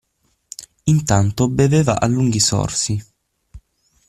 Intanto beveva a lunghi sorsi.